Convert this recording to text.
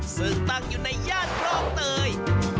ซึ่งตั้งอยู่ในย่านคลองเตย